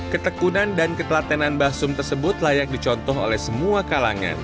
ketekunan dan ketelatenan mbah sum tersebut layak dicontoh oleh semua kalangan